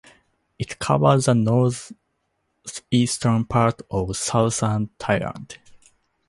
It covered the northeastern part of southern Thailand.